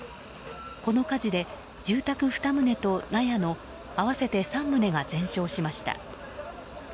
この火事で住宅２棟と納屋の合わせて３棟が全焼しました。